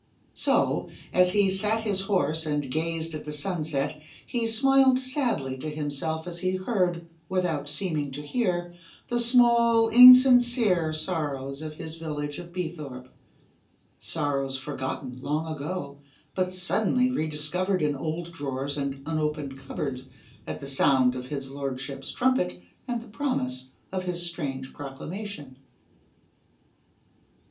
So, as he sat his horse and gazed at the sunset, he smiled sadly to himself as he heard, without seeming to hear, the small, insincere sorrows of his village of Beethorpe sorrows forgotten long ago, but suddenly rediscovered in old drawers and unopened cupboards, at the sound of his lordship's trumpet and the promise of his strange proclamation.